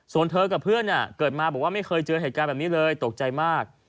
ส่วนเธอกับเพื่อนเกิดมาบอกว่าไม่เคยเจอเหตุการณ์แบบนี้เลยตกใจมาก